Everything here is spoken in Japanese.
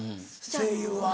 声優は。